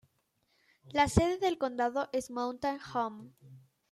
La sede del condado es Mountain Home.